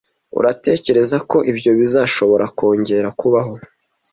Uratekereza ko ibyo bishobora kongera kubaho?